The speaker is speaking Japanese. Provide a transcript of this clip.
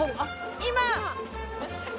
今！